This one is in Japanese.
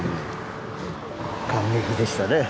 感激でしたね。